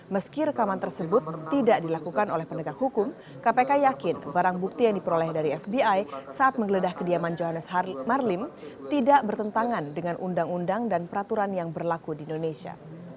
meski rekaman tersebut tidak dilakukan oleh penegak hukum kpk yakin barang bukti yang diperoleh dari fbi saat menggeledah kediaman johannes marlim tidak bertentangan dengan undang undang dan peraturan yang berlaku di indonesia